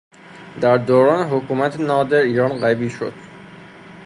در دوران حکومت نادر ایران قوی شد.